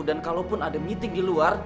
dan kalaupun ada meeting di luar